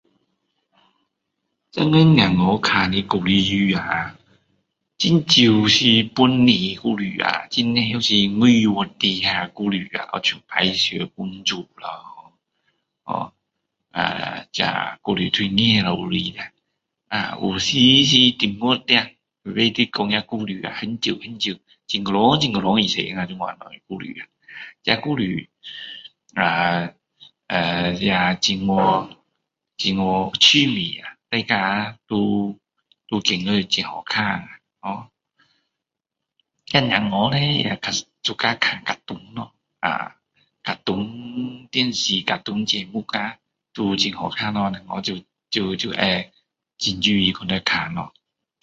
现在小孩看的故事书呀很少是本地故事都是外国的故事好像白雪公主咯ho啊这故事都是外面的啊有时是中国的可是都是讲那些故事就很久很久很久很久的以前这样的故事那些故事呃呃很很有趣大家都觉得很好看ho那小孩喜欢看卡通卡通电视卡通很好看就就会很注意看咯